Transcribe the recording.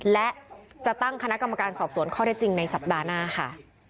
และจะตั้งคณะกรรมการสอบสวนข้อได้จริงในสัปดาห์หน้าค่ะ